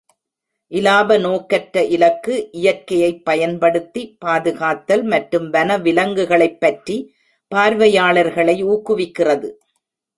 இலாப நோக்கற்ற இலக்கு, இயற்கையைப் பயன்படுத்தி, பாதுகாத்தல் மற்றும் வனவிலங்குகளைப் பற்றி பார்வையாளர்களை ஊக்குவிக்கிறது.